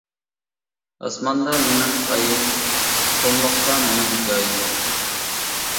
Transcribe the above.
ئاسماندا مېنىڭ ئايىم، قۇملۇقتا مېنىڭ جايىم.